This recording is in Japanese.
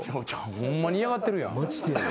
ホンマに嫌がってるやん。